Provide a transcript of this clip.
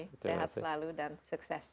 sehat selalu dan sukses